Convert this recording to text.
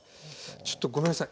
ちょっとごめんなさい。